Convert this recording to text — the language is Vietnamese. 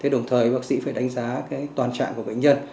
đồng thời bác sĩ phải đánh giá toàn trạng của bệnh nhân